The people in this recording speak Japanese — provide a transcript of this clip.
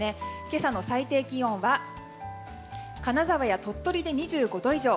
今朝の最低気温は金沢や鳥取で２５度以上。